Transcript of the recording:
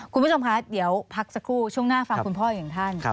คุณผู้ชมคะเดี๋ยวพักสักครู่ช่วงหน้าฟังคุณพ่ออีกหนึ่งท่าน